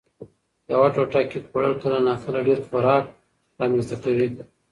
یوه ټوټه کېک خوړل کله ناکله ډېر خوراک رامنځ ته کوي.